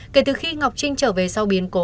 kể từ khi ngọc trinh trở về sau biến cố